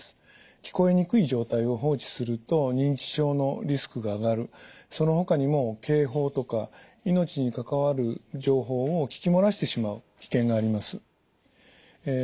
聞こえにくい状態を放置すると認知症のリスクが上がるそのほかにも警報とか命に関わる情報を聞き漏らしてしまう危険があります。